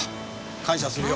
感謝するよ。